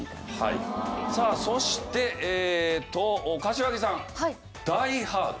さあそして柏木さん『ダイ・ハード』？